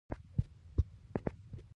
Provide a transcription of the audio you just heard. دا ټول لیدل ارزي.